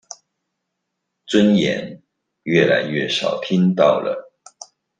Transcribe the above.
尊嚴越來越少聽到了